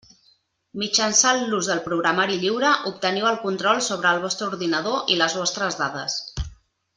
Mitjançant l'ús del programari lliure, obteniu el control sobre el vostre ordinador i les vostres dades.